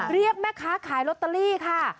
เรียกแม่ค้าขายลอตเตอรี่ค่ะ